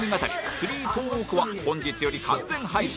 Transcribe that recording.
スリートーークは本日より完全配信